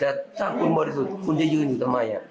แต่ถ้าคุณเมาดีแท้สุดคุณจะยืนทำไมอ่ะ